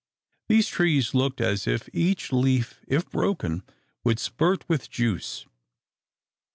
These trees looked as if each leaf, if broken, would spurt with juice.